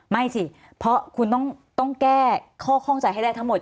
ไม่สิเพราะคุณต้องแก้ข้อข้องใจให้ได้ทั้งหมด